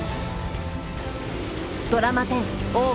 ドラマ１０「大奥」